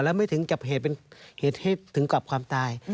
และไม่ถึงกับเหตุให้ถึงกับความตาย